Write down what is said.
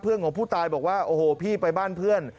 ของผู้ตายบอกว่าโอ้โหพี่ไปบ้านเพื่อน